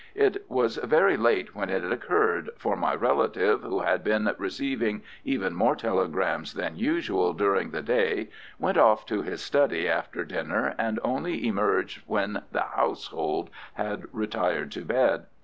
It was very late when it occurred, for my relative, who had been receiving even more telegrams than usual during the day, went off to his study after dinner, and only emerged when the household had retired to bed.